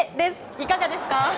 いかがですか？